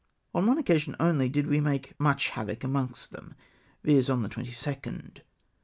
On one occasion only did we make much havoc amongst them, viz. on the 22nd.